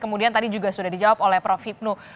kemudian tadi juga sudah dijawab oleh prof hipnu